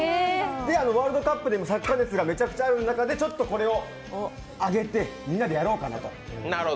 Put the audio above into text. ワールドカップでもサッカー熱がめちゃくちゃある中でもこれをあげてみんなでやろうかなと。